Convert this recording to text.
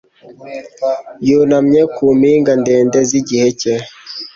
Yunamye ku mpinga ndende z'igihe cye